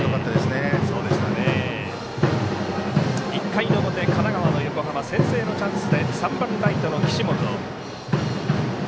１回の表、神奈川の横浜先制のチャンスで３番ライトの岸本。